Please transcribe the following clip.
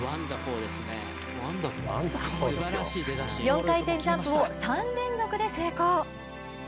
４回転ジャンプを３連続で成功。